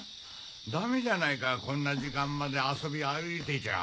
ダメじゃないかこんな時間まで遊び歩いてちゃ。